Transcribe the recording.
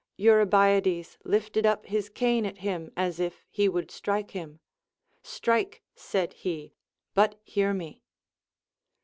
Eurybiades lifted up his cane at him, as if he Avould strike him. Strike, said he, but hear me.